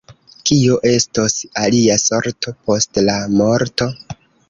Kio estos ilia sorto post la morto?